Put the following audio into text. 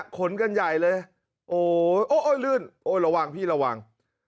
ขนกันใหญ่เลยโอ๊ยโอ๊ยลื่นโอ้ระวังพี่ระวัง